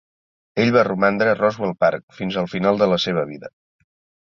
Ell va romandre a Roswell Park fins al final de la seva vida.